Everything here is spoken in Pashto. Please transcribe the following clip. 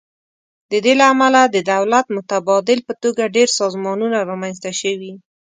د دې له امله د دولت متبادل په توګه ډیر سازمانونه رامینځ ته شوي.